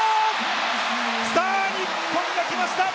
さあ、日本が来ました！